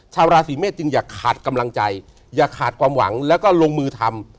ชาวราศีเมษจึงอย่าขาดกำลังใจอย่าขาดความหวังแล้วก็ลงมือทำ